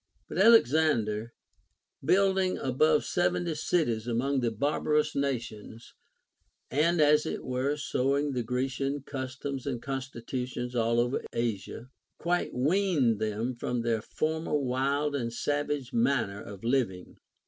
But Alexander, building above seventy cities among the barbarous nations, and as it were sowing the Grecian customs and constitutions all over Asia, quite Aveaned them from their former wild and savage manner of living.